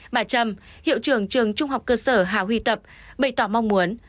bà trâm hiệu trưởng trường trung học cơ sở hà huy tập bày tỏ mong muốn